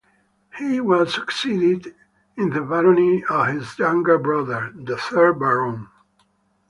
He was succeeded in the barony by his younger brother, the third Baron.